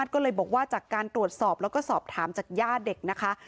ก็เลยบอกว่าจากการตรวจสอบแล้วก็สอบถามจากย่าเด็กนะคะ